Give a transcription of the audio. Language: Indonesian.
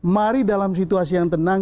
mari dalam situasi yang tenang